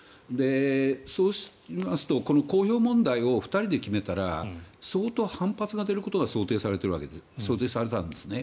そうしますと公表問題を２人で決めたら相当反発が出ることが想定されたんですね。